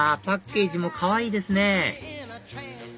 パッケージもかわいいですね